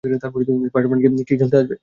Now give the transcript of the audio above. Spider Man কি খেলতে আসবে?